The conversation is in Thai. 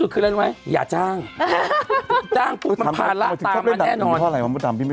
เพราะฉะนั้นดีที่สุดคืออะไรนะมิ